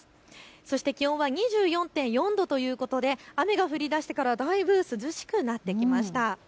そして気温は２４．４度ということで雨が降りだしてからだいぶ涼しくなってきました。